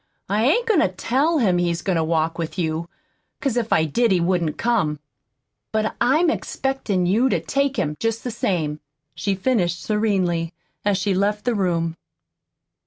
I ain't goin' to TELL him he's goin' to walk with you, 'cause if I did he wouldn't come. But I'm expectin' you to take him, jest the same," she finished severely, as she left the room.